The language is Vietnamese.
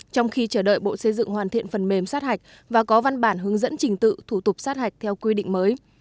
trong khi chờ đợi bộ xây dựng hoàn thiện phần mềm sát hạch và có văn bản hướng dẫn trình tự thủ tục sát hạch theo quy định mới